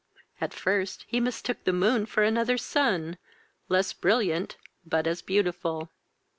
At first he mistook the moon for another sun, less brilliant, but as beautiful.